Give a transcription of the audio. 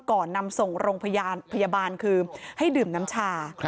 ก่อนนำส่งโรงพยาบาลพยาบาลคือให้ดื่มน้ำชา